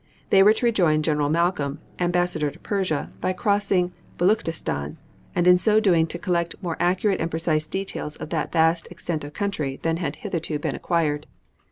They were to rejoin General Malcolm, ambassador to Persia, by crossing Beluchistan, and in so doing to collect more accurate and precise details of that vast extent of country than had hitherto been acquired.